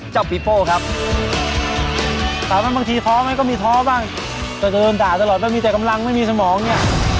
เราจะเชียร์บนเธอเพื่อคนไทย